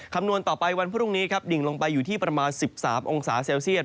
คำนวณต่อไปวันพรุ่งนี้ครับดิ่งลงไปอยู่ที่ประมาณ๑๓องศาเซลเซียต